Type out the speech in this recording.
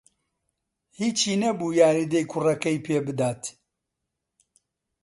هیچی نەبوو یاریدەی کوڕەکەی پێ بدا